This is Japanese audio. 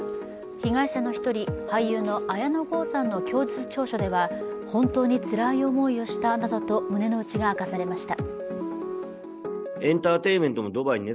被害者の１人、俳優の綾野剛さんの供述調書では本当につらい思いをしたなどと胸のうちが明かされました。